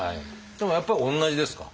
でもやっぱり同じですか？